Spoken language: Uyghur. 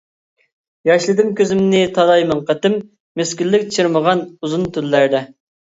ياشلىدىم كۆزۈمنى تالاي مىڭ قېتىم، مىسكىنلىك چىرمىغان ئۇزۇن تۈنلەردە.